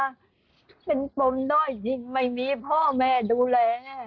หึเป็นปมด้อยจริงไม่มีพ่อแม่ดูแล